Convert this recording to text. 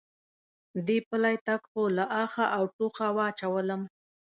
دې پلی تګ خو له آخه او ټوخه واچولم.